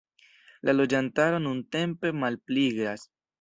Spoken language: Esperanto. La loĝantaro nuntempe malpliiĝas.